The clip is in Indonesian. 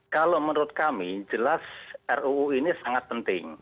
kalau menurut kami jelas ruu ini sangat penting